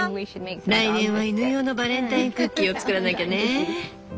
来年は犬用のバレンタインクッキーを作らなきゃね。